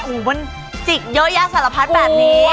หูมันศักดิ์เยอะยาขกรรมสาระพันธ์แบบนี้